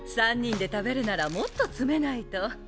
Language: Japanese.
３人で食べるならもっと詰めないと。